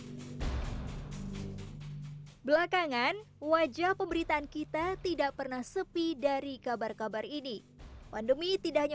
hai belakangan wajah pemberitaan kita tidak pernah sepi dari kabar kabar ini pandemi tidaknya